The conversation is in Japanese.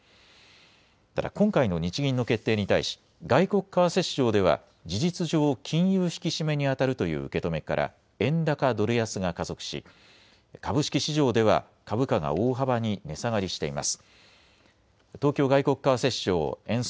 ただ今回の日銀の決定に対し外国為替市場では事実上金融引き締めにあたるという受け止めから円高ドル安が加速し株式市場では株価が大幅に値下がりしています。